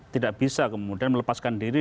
tidak bisa kemudian melepaskan diri